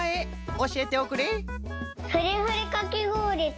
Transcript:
おしえておくれ。